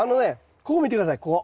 ここ見て下さいここ。